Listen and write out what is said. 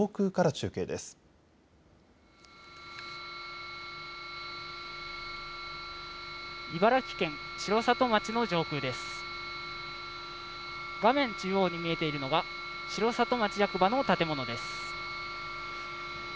中央に見えているのが城里町役場の建物です。